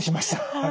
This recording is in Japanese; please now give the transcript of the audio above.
はい。